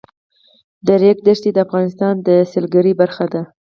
د ریګ دښتې د افغانستان د سیلګرۍ برخه ده.